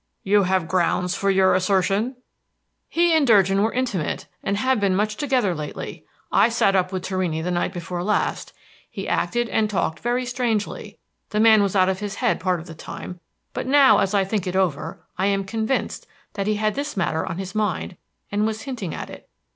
"You have grounds for your assertion?" "He and Durgin were intimate, and have been much together lately. I sat up with Torrini the night before last; he acted and talked very strangely; the man was out of his head part of the time, but now, as I think it over, I am convinced that he had this matter on his mind, and was hinting at it.